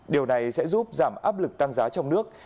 điều này sẽ giúp giảm áp lực tăng giá trong nước